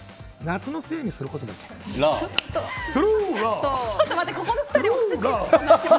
夏のせいにすることだけだよ。